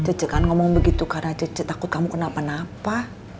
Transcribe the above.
cuci kan ngomong begitu karena takut kamu kenapa napa